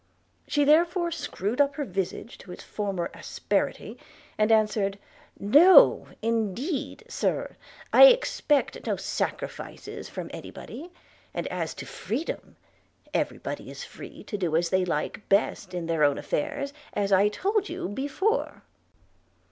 She therefore screwed up her visage to its former asperity, and answered, 'No, indeed, Sir, I expect no sacrifices from any body; and as to freedom – every body is free to do as they like best in their own affairs, as I told you before.'